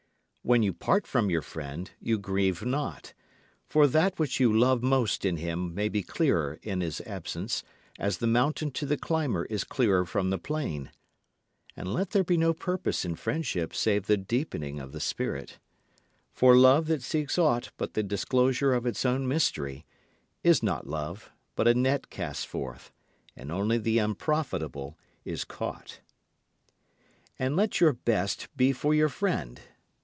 When you part from your friend, you grieve not; For that which you love most in him may be clearer in his absence, as the mountain to the climber is clearer from the plain. And let there be no purpose in friendship save the deepening of the spirit. For love that seeks aught but the disclosure of its own mystery is not love but a net cast forth: and only the unprofitable is caught. And let your best be for your friend.